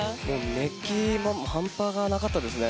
熱気も半端がなかったですね。